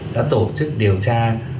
đã tổ chức điều tra